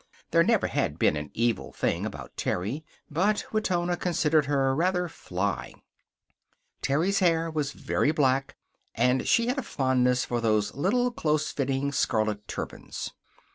There never had been an evil thing about Terry, but Wetona considered her rather fly. Terry's hair was very black, and she had a fondness for those little, close fitting scarlet turbans.